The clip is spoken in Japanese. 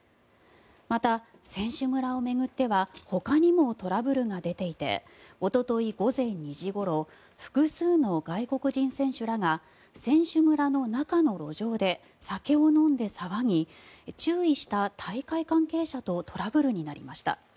また、選手村を巡ってはほかにもトラブルが出ていておととい午前２時ごろ複数の外国人選手らが選手村の中の路上で酒を飲んで騒ぎ注意した大会関係者とトラブルになりました。